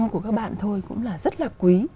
tám mươi chín mươi của các bạn thôi cũng là rất là quý